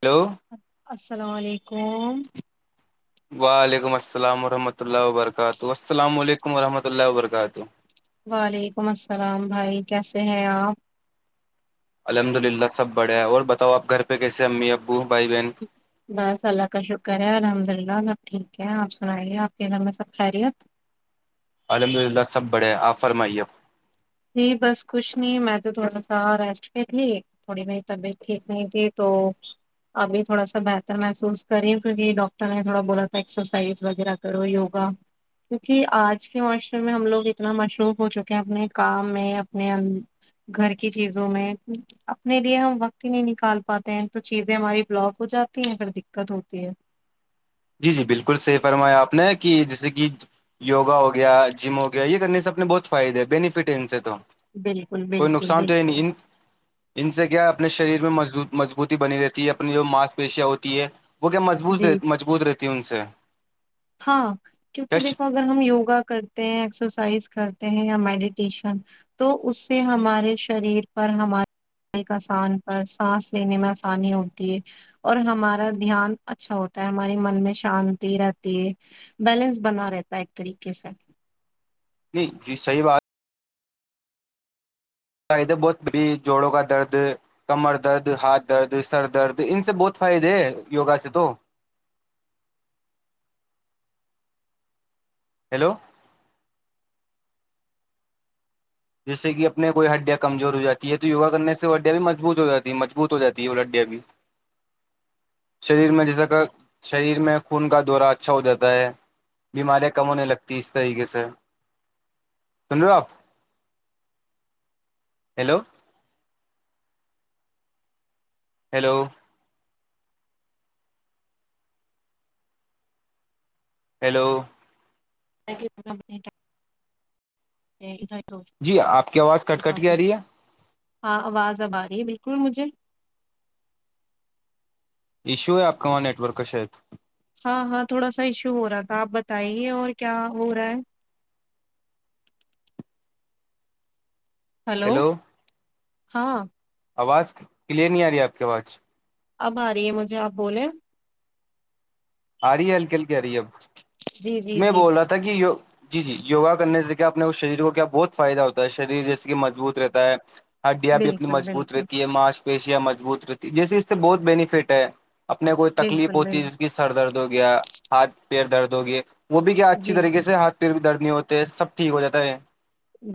hello السلام علیکم وعلیکم السلام ورحمۃ اللہ وبرکاتہ السلام علیکم ورحمۃ اللہ وبرکاتہ وعلیکم السلام بھائی کیسے ہیں الحمد للہ سب بڑے ہے اور بتاؤ آپ گھر پہ کیسے امی ابو بھائی بہن بس اللہ کا شکر ہے الحمد اللہ سب ٹھیک ہے آپ سنائیے آپ کے گھر میں سب خیریت الحمد للہ سب بڑے ہیں آپ فرمائیےپ جی بس کچھ نہیں میں تو تھوڑا سا ریسٹ میںہ تھی تھوڑی بیری طبیعت ٹھیک نہیں تھی تو اب تھوا بہتر محسوس کری کیہ ڈاکٹر نے تھوڑا بولا تھا ایکسرسائز وغیرہ کرو یوگا کیونکہ آج کے معاشرے میں ہم لوگ اتنا مشروف ہو چکے ہیں اپنے کام میں اپنے گھر کی چیزوں میں اپنے لیے ہم وقت ہی نہیں نکال پاتے ہیں تو چیزیں ہماری بلاک ہو جاتی ہیں پر دقت ہوتی ہے جی جی بالکل صیح فرمایا آپ نے کہ جیسے کہ یوگا ہو گیا جم ہو گیا یہ کرنے سے اپنے بہت فائدے ہیں بینیفٹ ہے ان سے تو بالکل کوئی بالکل نقصان تو ہے بالکل نہیں ان ان سے کیا اپنے شریر میں م مضبوط بنی رہتی ہے اپنی جو ماس پیشیا ہوتی ہے وہ کیا مضبوط جی مضبوط رہتی ہے ان سے ہاں کیا کیونکہ دیکھو اگر ہم یوگا کرتے ہیں ایکسرسائز کرتے ہیں یا میڈیٹیشن تو اس سے ہمارے شریر پر ہمارے ایک آسان پر سانس لینے میں آسانی ہوتی ہے اور ہمارا دھیان اچھا ہوتا ہے ہماراری من میں شانتی رہتی بیلنس بنا رہتا ہے ایک طریقے سے نہیں جی صحی بات قائدے بہت بھی جوڑوں کا درد کمر درد ہاتھ درد سر درد ان سے بہت فائدے ہے یوگا سے تو ہیلو جیس سے کہ اپنے کوئی ہڈیا کمزور ہو جاتی ہے تو یوگانے سے وہ ہڈیا بھی مضبوط ہو جاتی ہے مضبوط ہو جاتی ہے وہ ہڈیا بھی [inaudible] شریر میں جیسا کہ شریر میں خون کا دورہ اچھا ہو جاتا ہے بیماریاں کم ہونے لگتی اس طریقے سے سن رہے ہو آپ ہیلو ہیلو ہیلو [inaudible] [inaudible] جی آپ کی آواز کٹ کٹ کے آ رہی ہے ہاں آواز آب رہی ہے بالکل مجھے ایشو ہے آپ کے وہاں نیٹ ورک کا شا ہاں ہاں تھوڑا سا ایشو ہو رہا تھا آپ بتائیے اور کیا ہو رہا ہے ہلو ہیلو ہاں آواز کلیئر نہیں آ رہی ہے آپ کے واچ اب آ رہی ہے مجھے آپ بولیں آ رہی ہے ہلکے ہلکے آ رہی ہے اب جی جی میں جی بول رہا تھا کہ جی جی یوگا کرنے سے کیا اپنے شریر کو کیا بہت فائدہ ہوتا ہے شریر جیسے کہ مضبوط رہتا ہے ہڈیاں بھی اپنی بالکل مضبوط بالکل رہتی ہے ماس پیشیاں مضبوط رہتی ہے جیسے اس سے بہت بینیفٹ ہے اپنے کوئی تکلیف بالکل بال ہوتی ہے جس کی سر درد ہو گیا ہاتھ پییر درد ہو گیا وہ بھی کیا اچھی جی طریقے سے ہاتھ پیر بھی درد نہیں ہوتے ہے سب ٹھیک ہو جاتا ہے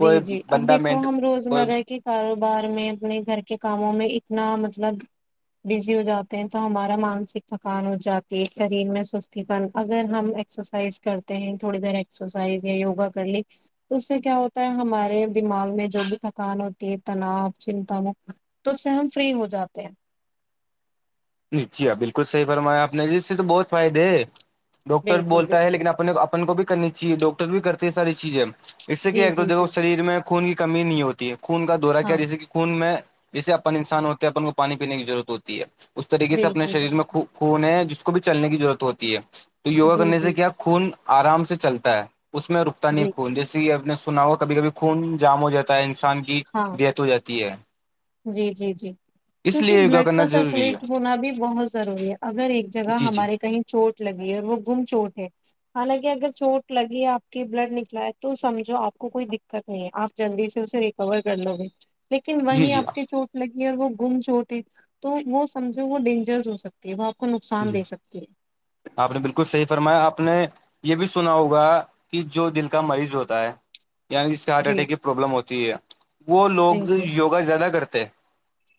جی جی اب بندہ دیکھو مینٹ ہم کوئی روزمرہ کی کاروبار میں اپنے گھر کے کاموں میں اتنا مطلب بزی ہو جاتے ہیں تو ہمارا مانسک تھکان ہو جاتی ہے شریر میں سستی بن اگر ہم سرسائز کرتے ہیں تھوڑی دیر ایکسرسائز یا یوگا کر لی تو اس سے کیا ہو ہمارے دماغ میں جو بھی تھکان ہوتی ہے تناؤ چنتا م تو س ہم فری ہو جاتے ہیں نیچی ہاں بالکل صحیح فرمایا آپ نے ج اس سے تو بہت فائدے ہے ڈاکٹر بالکل بولتا ہے بالکل لیکن آپ اپن کو بھی کرنی چاہیے ڈاکٹر بھی کرتے ہے ساری چیزیں اس سے کیا جی ہے تو جی دیکو جی جی شریر میں خون کی کمی نہیں ہوتی ہے خون کا دورہ کیا ہاں جیس کہ خون میں جسے اپ انسان ہوتے ہیں اپن کو پانی پینے کی ضرورت ہوتی ہے اس طریقے سے اپنے بالکل بالکل شریر میں خون ہے جس کو بھی چلنے کی ضرورت ہوتی ہے تو وگا جی کرنے جی سے کیا خون آرام سے چلتا ہے اس میں رکتا نہیں جی خون جیسے کہ اپنے سو سنا ہو کبھی کبھی خون جام ہو جاتا ہے انسان کی ہاں ڈیتھ ہو جاتی ہے جی جی جی اس کیونکہ لیے یوگا بلڈ کرنا کا ضروری ہے سرکولیٹ ہونا بھی بہت ضروری ہے اگر ایک جگہ جی جی ہمارے کہیں چوٹ لگی ہے اور وہ گم چوٹ ہے حالانکہ اگر چوٹ لگی آپ کے بلڈ نکلا ہے تو سمجھو آپ کو کوئی دقت نہیں ہے آپ جلدی سے اسے ریکور کر لو گے لیکن جی وہیں جی آپ کے چوٹ لگی اور وہ گم چوٹ ہے تو وہ سمجھو وہ ڈینجرس ہو سکتا وہ آپ کو نقصان جی دے سکتی ہے آپ نے بالکل صحیح فرمایا آپ نے یہ بھی سنا ہوگا کہ جو دل کا مریض ہوتا ہے یعنی جس کے ہارٹ جی اٹیک کی پرابلم ہوتی ہے وہ جی لوگ جی یوگا زیادہ کرتے ہیں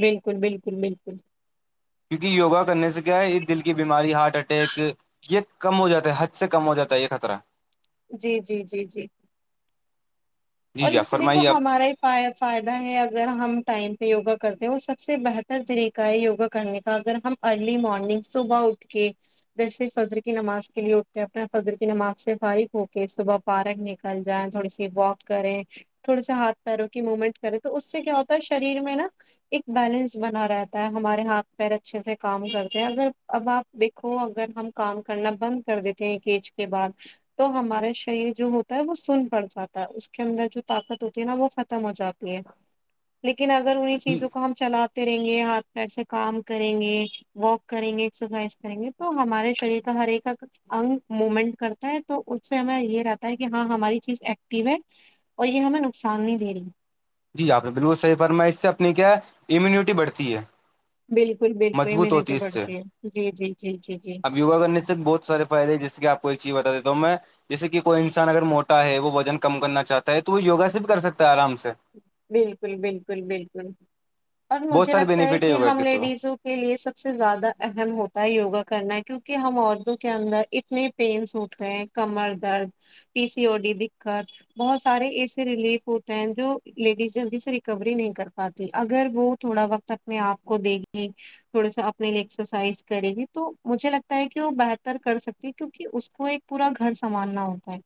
بالکل بالکل بالکل کیونکہ یگا کرنے سے کیا یہ دل کی بیماری ہارٹ اٹیک یہ کم ہو جاتا ہے حد سے کم ہو جاتا ہے یہ خطرہ جی جی جی جی جی اور جی اس آپ سے دیکھو فرمائیے آپ ہمارا ہی فائدہ ہے اگر ہم ٹائم پہ یوگا کرتے ہیں اور سب سے بہتر طریقہ ہے یوگا کرنے کا اگر ہم ارلی مارنگ صبح اٹھ کے جیسے فجر کی نماز کے لیے اٹھتے ہیں اپنے فجر کی نماز سے فارغ ہو کے صبح پارک نکل جائیں تھوڑی سی واک کریں تھوڑے سے ہاتھ پیروں کی موومنٹ کرے تو اس سے کیا ہوتا ہے شریر میں نا ایک بیلنس بنا رہتا ہے ہمارے ہاتھ پیر اچھے سے کام کرتے ہیں اگر اب آپ دیکھو اگر ہم کام کرنا بند کر دیتے ہیں ایک ایج کے بعد تو ہمارے شریر جو ہوتا ہے وہ سن پڑ جاتا ہے اس کے اندر جو طاقت ہوتی ہے نا وہ ختم ہو جاتی ہے لیکن اگر انہیں جی چیزوں کو ہم چلاتے رہیں گے ہاتھ پیر سے کام کریں گے واک کریں گے ایکسرسائز کریں گے تو ہمارے شریر کا ہر ایک انگ مومنٹ کرتا ہے تو اس سے ہمیں یہ رہتا ہے کہ ہاں ہماری چیز ایکٹو ہے اور یہ ہمیں نقصان نہیں دے رہی جی آپ نے بالکل صحیح فرما ہے اس سے اپنی کیا ہے امیونٹی بڑھتی ہے بالکل بالکل مضبوط ہوتی امیونٹی اس سے بڑھتی ہے جی جی جی جی جی یوگا کر سے بہت سارے فائدے ہیں جیسے کہ آپ کو ایک چیز بتا دیتا ہو میں جیسے کہ کوئی انسان اگر موٹا ہے وہ وزن کم کرنا چاہتا ہے تو وہ یگا سے بھی کر سکتا ہے آرام سے بالکل بالکل بالکل اور بہت مجھے سارے لگتا ہے بینیفٹ کہ یوگا ہم کے تو لیڈیزوں کے لیے سب سے زیادہ اہم ہوتا ہے یوگا کرنا کیونکہ ہم عورتوں کے اندر اتنے پین سوٹ ہے کمر درد پی سی او ڈی دقت بہت سارے ایسے ریلیف ہوتے ہیں جو لیڈیز جلدی سے ریکوری نہیں کر پاتی اگر وہ تھوڑا وقت اپنے آپ کو دے گی تھوڑا سا اپنے لیے ایکسرسائز کرے گی تو مجھے لگتا ہے کہ وہ بہتر کر سکتی ہے کیونکہ اس کو ایک پورا گھر سنبھالنا ہوتا ہے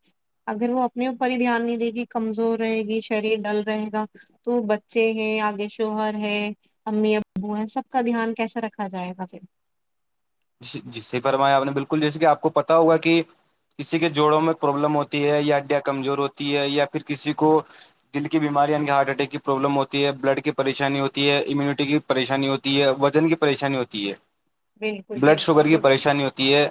اگر وہ اپنے اوپر ہی دھیان نہیں دے گی کمزور رہے گی شریر ڈل رہے گا تو بچے ہے آگے شوہر ہے امی ابو ہیں سب کا دھیان کیسے رکھا جائے گا پھر جی جی صحیح فرمایا آپ نے بالکل جیسے کہ آپ کو پتا ہوگا کہ کسی کے جوڑوں میں پروابلم ہوتی ہے یا ہڈیاں کمزور ہوتی ہے یا پھر کسی کو دل کی بیماری یعنی ہارٹ اٹیک کی پرابلم ہوتی ہے بلڈ کی پریشانی ہوتی ہے امیونٹی کی پریشانی ہوتی ہے وزن کی پریشانی ہوتی ہے بالکل بلڈ بالکل شوگر کی بالکل پریشانی ہوتی ہے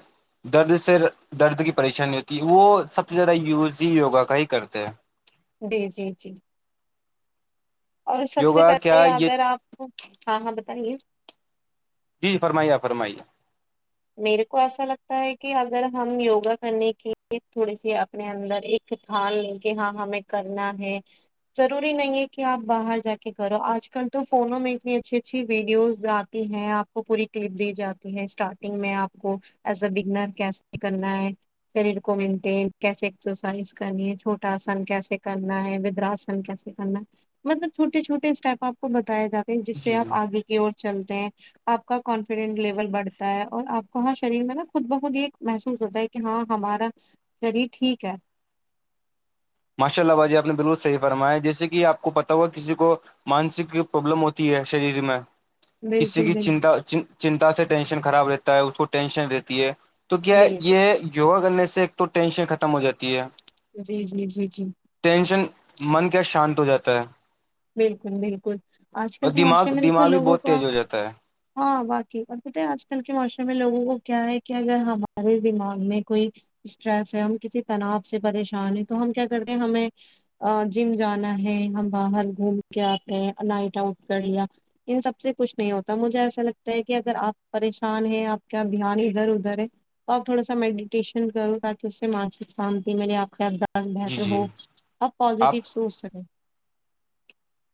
درد سے درد کی پریشانی ہوتی ہے وہ سب سے زیادہ یوز ہی یوگا کا ہی کرتے ہیں جی جی جی اور سب سے یوگا کیا پہلے یہ اگر آپ کو ہاں ہاں بتائیے جی فرمائیے اپ فرمائیے میرے کو ایسا لگتا ہے کہ اگر ہم یوگا کرنے کے تھوڑی سی اپنے اندر ایک ٹھان لے کہ ہاں ہمیں کرنا ہے ضروری نہیں ہے کہ آپ باہر جا کے کرو آج کل تو فونوں میں اتنی اچھی اچھی ویڈیوز ہیں آپ کو پوری کلپ دی جاتی ہے اسٹارٹ میں آپ کو ایز اے بگنر کیسے کرنا ہے شریر کو مینٹین کیسے ایکسرسائز کرنی ہے چھوٹا آسن کیسے کرنا ہے ودراسن کیسے کرنا ہے مطلب چھوٹے چھوٹے اسٹیپ آپ کو بتایا جاتے جس سے جی آپ جی آگے کی اور چلتے ہیں آپ کا کانفیڈینس لیول بڑھتا تا ہے اور آپ کو ہاں شریر میں نا خود بخود یہ محسوس ہوتا ہے کہ ہاں ہمارا شریر ٹھیک ہے ماشا اللہ باجی آپ نے بالکل صحیح فرمایا جیسے کہ آپ کو پتا ہوا کسی کو مانسک پرابلم ہوتی ہے شریر میں کسی بالکل کی بالکل چنتا چنتا سے ٹینشن خراب رہتا ہے اس کو ٹینشن رہتی ہے تو کیا بالکل یہ یوگا کرنے سے ایک تو ٹینشن ختم ہو جاتی ہے جی جی جی جی ٹینشن من کیا شانت ہو جاتا ہے بالکل بالکل آج کل اور کے معاشرے دماغ میں دیکھو دماغ بھی لوگوں بہت کا تیز ہو جاتا ہے ہاں باقی اور بت آج کل کے معوشم میں لوگوں کو کیا ہے کہ اگر ہمارے دماغ میں کوئی اسٹریس ہے ہم کسی تناؤ سے پریشان ہیں تو ہم کیا کرتے ہیں ہمیں جم جانا ہے ہم باہر گھوم کے آتے ہیں نائٹ آؤٹ کر لیا ان سب سے کچھ نہیں ہوتا تو مجھے ایسا لگتا ہے کہ اگر آپ پریشان ہیں آپ کا دھیان ادھر ادھر ہے تو آپ تھوڑا سا میڈیٹیشن کرو تاکہ اس سے مانسک شانتی میرے آپد جی بہتر ہو جی آپ پازیٹیو سوچ سکیں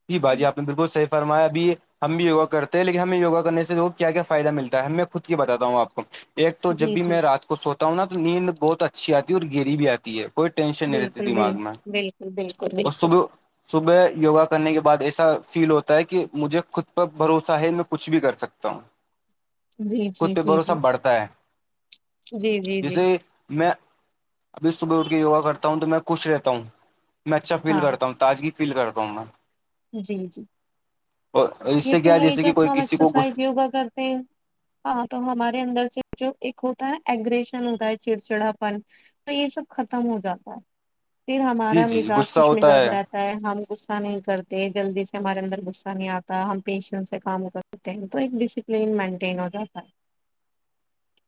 جی بھ جی آپ نے بالکل صحی فرمایا ابھی ہم بھی وگا کرتے ہیں لیکن ہمیں وگا کرنے سے کیا فائدہ ملتا ہے میں خود کی باتا ہوں آپ کو ایک تو جب جی بھی جی میں جی رات کو سوتا ہوں نا تو نیند بہت اچھی آتی ہے اور گیری بھی آتی ہے کوئی ٹینشن نہیں رہتی بالکل بال دماغ میں بالکل بالکل اور بالکل صب صبح یوگا کا کرنے کے بعد ایسا فیل ہوتا ہے کہ مجھے خود پر بھروسہ ہے میں کچھ بھی کر سکتا ہوں جی جی کتے جی بوروں سب جی بڑھتا ہے جی جی جی جے میں ابھی صبح اٹھ کے یوگا کرتا ہوں تو میں خوش رہتا ہوں میں اچھا فیل ہاں کرتا ہوں تازگی فیل کرتا ہوں میں جی جی اور اس یہ سے تو کیا ہے ہی جیسے کہ کوئی جب ہم کسی کو ایکسرسائز یوگا کرتے ہیں ہاں تو ہمارے اندر سے جو ایک ہوتا ہے ن ایگریشن ہوتا ہے چڑ چڑا پن تو یہ سب ختم ہو جاتا ہے پھر جی ہمارا جی مزاج غصہ خوش ہوتا مزاج ہے رہتا ہم غصہ نہیں کرتے جلدی سے ہمارے اندر غصہ نہیں آتا ہم پیشنس سے کام کرتے ہیں تو ایک ڈسپلین مینٹین ہو جاتا ہے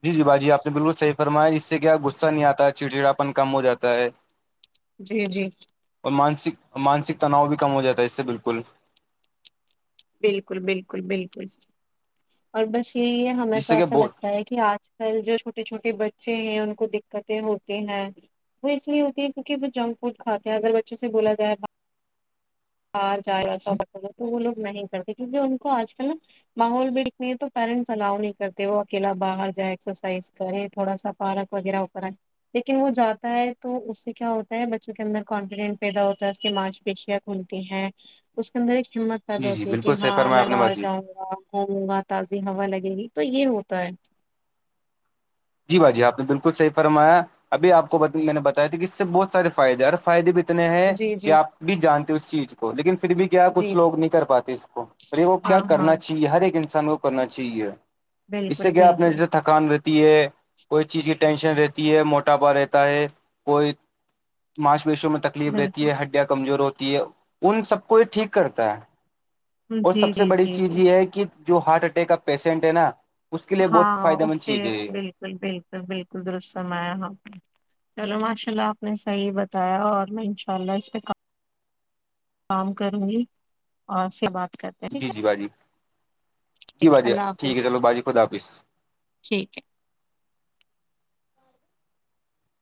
جی جی باجی آپ بالکل صحی فمایا ج اس سے کیا غصہ نہیں آتا ہے چڑچڑاپن کم ہو جاتا ہے جی جی اور مانسک مانسک تناؤ بھی کم ہو جاتا ہے اس سے بالکل بالکل بالکل بالکل اور بس یہی ہے ہمیں جس تو سے کہ ایسا بہت لگتا ہے کہ آج جو چھوٹے چھوٹے بچے ہیں ان کو دقتیں ہوتی ہیں وہ اس لیے ہوتی ہے کیونک وہ جنک فوڈ کھے ہیں اگر بچوں سے بولا جائے آ جائے س تو وہ لوگ نہیں کرتے کیونکہ ان کو آج کل نا ماحول بھی یہ تو پیرنٹس الاو نہیں کرتے وہ اکیلا باہر جائے ایکسرسائز کرے تھوڑا سا پارک وغیرہ کریں لیکن وہ جاتا ہے تو اس سے کیا ہوتا ہے بچوں کے اندر کانفیڈنٹ پیدا ہوتا ہے اس کے معاش پیشق کھلتی ہے اس کے اندر ایک ہمت پیدا جی جی ہوتی ہے کہ بالکل صحیح ہاں فرمایا میں آپ نے باہر باجی جاؤں گا ہو ہوگا تازی ہوا لگے گی تو یہ ہوتا ہے جی بھ جی آپ بالکل صحی فرمایا اب آپ کو میں نے بیا تھا کہ اس سے بہت سارے فائدے اور فائدے بھی نے ہیں جی کہ جی آپ بھی جانتے اس چیز کو لیکن پھر بھی کیا کیا جی کچھ لوگ نہیں کر پاتے اس کو اے وہ کیا ہاں کرنا ہاں چاہیے ہر ایک انسان کو کرنا چاہیے اس سے بالکل کیا اپنے بالکل جے تھکان رہتی ہے کوئی چیز کی ٹینشن رہتی ہے موٹاپا رہتا ہے کوئی ماش پیشو میں تک تکلیف رہتی بالکل ہے ہڈیاں کمزور ہوتی ہے ان سب کو یہ ٹھیک کرتا ہے اور جی سب سے جی بڑی جی چیز جی یہ ہے کہ جو ہارٹ اٹیک کا پیشنٹ ہے نا اس کے لیے بہت ہاں فائدہ اس مند سے چیز ہے یہ بالکل بالکل بالکل درستمایا ہاں چلو ماشاء اللہ آپ نے صحیح بتایا اور میں انشاء اللہ اس پہ کام کروں گی اور سے بات کر جی جی بھاجی جی ٹھیک ہے باجے اللہ ٹھیک حافظ ہے چلو بھاجی خدا حافظ ٹھیک ہے